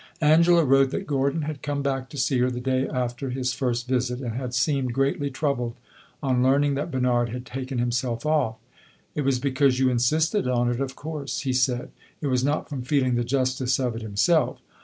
Angela wrote that Gordon had come back to see her the day after his first visit, and had seemed greatly troubled on learning that Bernard had taken himself off. "It was because you insisted on it, of course," he said; "it was not from feeling the justice of it himself."